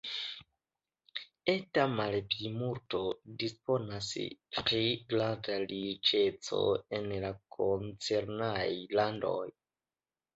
Eta malplimulto disponas pri granda riĉeco en la koncernaj landoj.